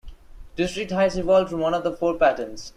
District Heights evolved from one of the four patents.